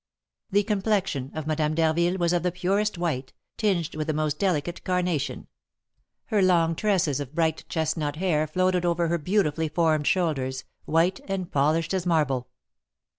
The complexion of Madame d'Harville was of the purest white, tinged with the most delicate carnation; her long tresses of bright chestnut hair floated over her beautifully formed shoulders, white and polished as marble.